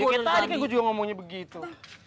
yakin tadi kan gua juga ngomongnya begitu